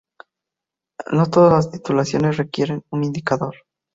No todas las titulaciones requieren un indicador.